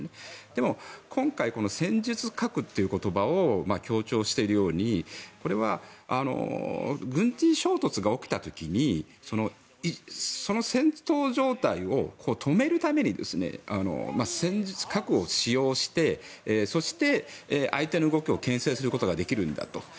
でも今回この戦術核という言葉を強調しているようにこれは軍事衝突が起きた時にその戦闘状態を止めるために戦術核を使用してそして、相手の動きをけん制することができるんだと。